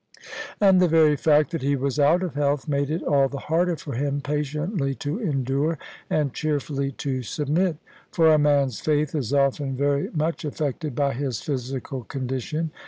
And the very fact that he was out of health made it all the harder for him patiently to endure and cheerfully to submit; for a man's faith is often very much affected by his physical condition.